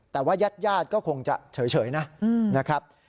แต่ว่ายาดก็คงจะเฉยนะครับ